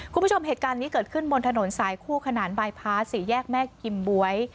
คุณผู้ชมเหตุการณ์นี้เกิดขึ้นบนถนนสายคู่ขนานบายพาสี่แยกแม่กิมบ๊วย